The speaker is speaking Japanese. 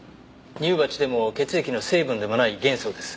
乳鉢でも血液の成分でもない元素です。